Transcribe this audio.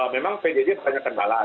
memang pjj terkena kendalaan